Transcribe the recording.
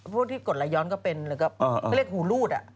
พวกที่กดไหลย้อนก็เป็นหรือก็ไม่เรียกหูรูดอ่ะ